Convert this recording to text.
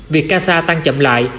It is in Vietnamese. việc casa tăng chậm lại